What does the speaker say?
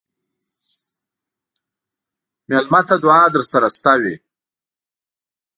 مېلمه ته دعا درسره شته وي.